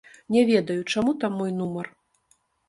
Не ведаю, чаму там мой нумар.